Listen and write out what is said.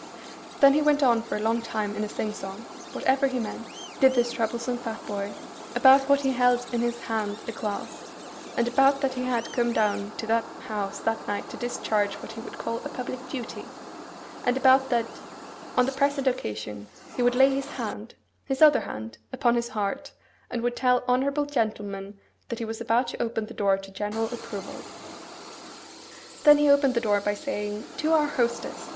Then he went on for a long time in a sing song (whatever he meant), did this troublesome fat boy, about that he held in his hand a glass; and about that he had come down to that house that night to discharge what he would call a public duty; and about that, on the present occasion, he would lay his hand (his other hand) upon his heart, and would tell honourable gentlemen that he was about to open the door to general approval. Then he opened the door by saying, 'To our hostess!